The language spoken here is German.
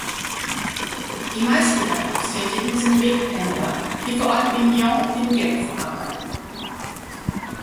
Die meisten Erwerbstätigen sind Wegpendler, die vor allem in Nyon und in Genf arbeiten.